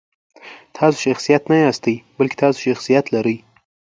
تاسو شخصیت نه یاستئ، بلکې تاسو شخصیت لرئ.